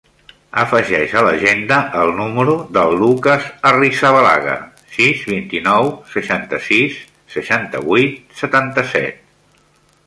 Afegeix a l'agenda el número del Lukas Arrizabalaga: sis, vint-i-nou, seixanta-sis, seixanta-vuit, setanta-set.